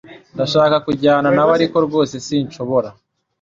Ndashaka kujyana nawe ariko rwose sinshobora